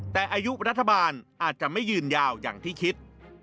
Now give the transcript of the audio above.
แต่อายุรัฐบาลอาจจะไม่ยืนยาวอย่างที่คิด